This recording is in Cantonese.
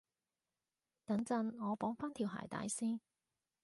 等陣，我綁返條鞋帶先